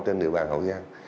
trên địa bàn hậu giang